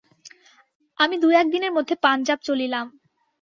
আমি দু-এক দিনের মধ্যে পাঞ্জাব চলিলাম।